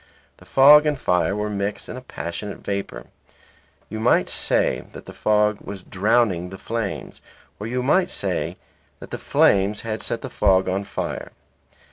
The fog and fire were mixed in a passionate vapour; you might say that the fog was drowning the flames; or you might say that the flames had set the fog on fire.